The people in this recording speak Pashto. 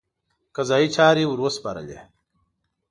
قضایي چارې ورسپارلې.